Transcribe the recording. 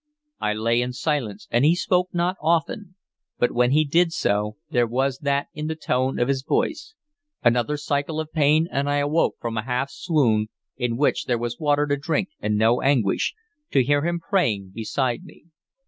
I lay in silence, and he spoke not often; but when he did so, there was that in the tone of his voice Another cycle of pain, and I awoke from a half swoon, in which there was water to drink and no anguish, to hear him praying beside me.